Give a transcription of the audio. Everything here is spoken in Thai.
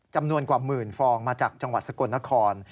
จำนวนกว่าหมื่นฟองมาจากจังหวัดสกลนคร